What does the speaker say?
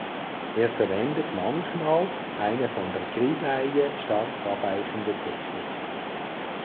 Er verwendet manchmal eine von der Grisaille stark abweichende Technik.